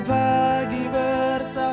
jangan begini sopi